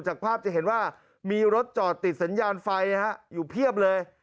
จากภาพจะเห็นว่ามีรถจอดติดสัญญาณไฟอยู่เพียบเลย